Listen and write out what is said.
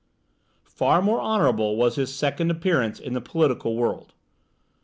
Far more honourable was his second appearance in the political world.